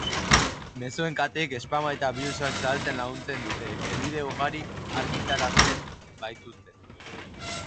Mezuen kateek spama eta birusak zabaltzen laguntzen dute, helbide ugari argitaratzen baitituzte.